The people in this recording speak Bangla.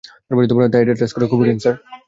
তাই এটা ট্রেস করা খুব কঠিন, স্যার।